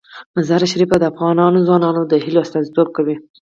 مزارشریف د افغان ځوانانو د هیلو استازیتوب کوي.